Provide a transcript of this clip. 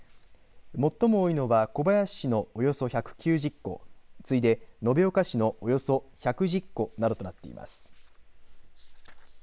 最も多いのは小林市のおよそ１９０戸次いで、延岡市のおよそ１１０戸などとなっています。